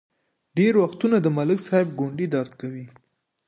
ډېر وختونه د ملک صاحب ګونډې درد کوي.